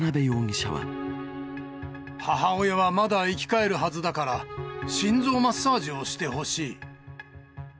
母親はまだ生き返るはずだから、心臓マッサージをしてほしい。